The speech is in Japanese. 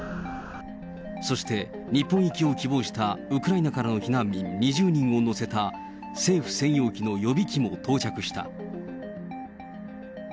そして、日本行きを希望したウクライナからの避難民２０人を乗せた政府専用機の予備機も到着した。